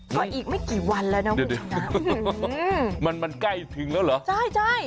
ก็อีกไม่กี่วันแล้วนะคุณชนะมันมันใกล้ถึงแล้วเหรอใช่ใช่